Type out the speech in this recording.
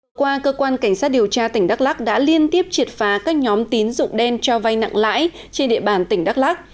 hôm qua cơ quan cảnh sát điều tra tỉnh đắk lắc đã liên tiếp triệt phá các nhóm tín dụng đen cho vay nặng lãi trên địa bàn tỉnh đắk lắc